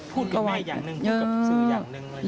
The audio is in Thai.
พูดกับแม่อย่างนึงพูดกับสื่ออย่างนึงเลย